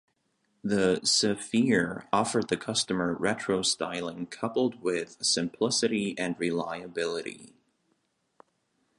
The Zephyr offered the customer retro styling coupled with simplicity and reliability.